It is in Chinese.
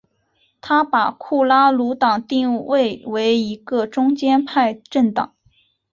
他把库拉努党定位为一个中间派政党。